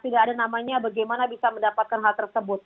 tidak ada namanya bagaimana bisa mendapatkan hal tersebut